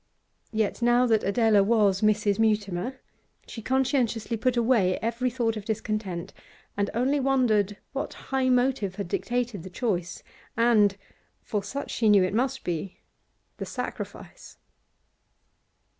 Yet, now that Adela was Mrs. Mutimer, she conscientiously put away every thought of discontent, and only wondered what high motive had dictated the choice and for such she knew it must be the sacrifice.